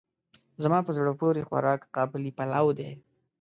زما په زړه پورې خوراک قابلي پلو دی.